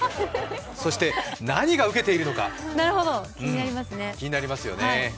そして何が受けているのか、気になりますよね。